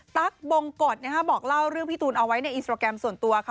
ตั๊กบงกฎบอกเล่าเรื่องพี่ตูนเอาไว้ในอินสตราแกรมส่วนตัวค่ะ